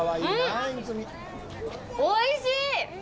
おいしい！